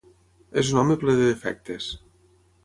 És un home ple de defectes.